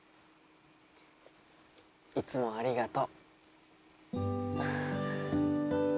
いつもありがと。